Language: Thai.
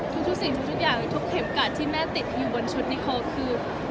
ทุกสิ่งทุกอย่างทุกเข็มกัดที่แม่ติดอยู่บนชุดนิโคคือ